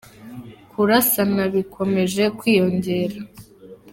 Kurasana bikomeje kwiyongera